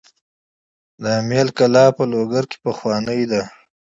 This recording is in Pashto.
د امیل کلا په لوګر کې لرغونې ده